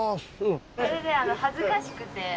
それで恥ずかしくて。